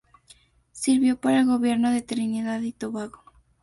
Sirvió para el Gobierno de Trinidad y Tobago.